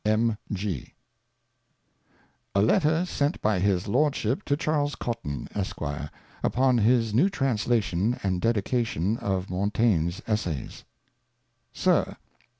M. G. i85 ■A Letter sent by his Lordship to Charles Cotton, Esq.; upon his New Translation and Dedication o/' MontaigneV Essays. SIR.